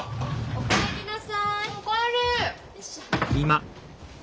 お帰りなさい。